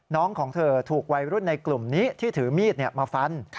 ของเธอถูกวัยรุ่นในกลุ่มนี้ที่ถือมีดมาฟัน